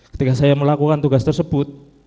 ketika saya melakukan tugas tersebut